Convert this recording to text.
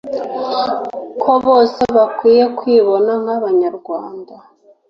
Ko bose bakwiye kwibona nk’Abanyarwanda